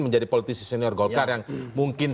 menjadi politisi senior golkar yang mungkin